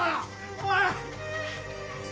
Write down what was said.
おい！